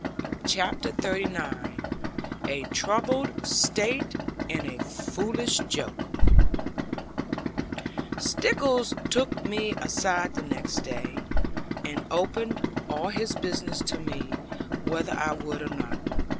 CHAPTER XXXIX TROUBLED STATE AND A FOOLISH JOKE Stickles took me aside the next day, and opened all his business to me, whether I would or not.